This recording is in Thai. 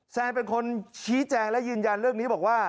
แซนเป็นคนชี้แจงและยืนยันเรื่องนี้บอกว่า